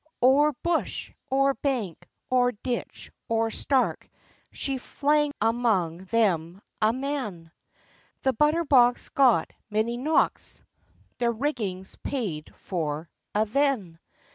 O'er bush, o'er bank, o'er ditch, o'er stark, She flang amang them a', man; The butter box got many knocks, Their riggings paid for a' then.